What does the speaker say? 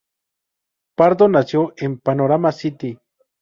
Pardo nació en Panorama City.